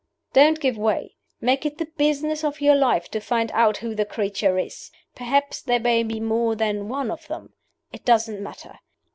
Don't give way. Make it the business of your life to find out who the creature is. Perhaps there may be more than one of them. It doesn't matter.